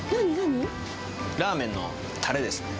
ラーメンのたれですね。